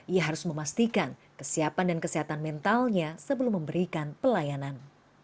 ia harus memastikan kesiapan dan kesehatan mentalnya sebelum memberikan pelayanan